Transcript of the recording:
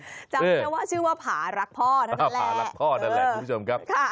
จำได้ว่าชื่อว่าผารักพ่อนั่นแหละคุณผู้ชมครับค่ะ